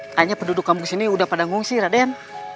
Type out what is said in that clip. kayaknya penduduk kampung sini udah pada ngungsi raden